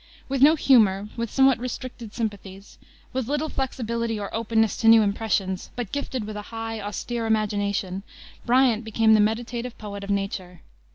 With no humor, with somewhat restricted sympathies, with little flexibility or openness to new impressions, but gifted with a high, austere imagination, Bryant became the meditative poet of nature.